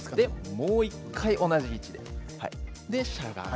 もう１回、同じ位置でしゃがむ。